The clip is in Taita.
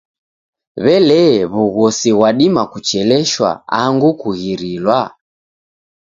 W'elee, w'ughosi ghwadima kucheleshwa angu kughirilwa?